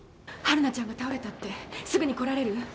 晴汝ちゃんが倒れたってすぐに来られる？